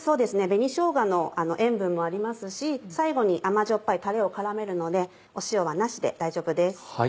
紅しょうがの塩分もありますし最後に甘じょっぱいタレを絡めるので塩はなしで大丈夫です。